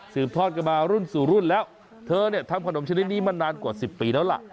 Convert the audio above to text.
ทอดกันมารุ่นสู่รุ่นแล้วเธอเนี่ยทำขนมชนิดนี้มานานกว่า๑๐ปีแล้วล่ะ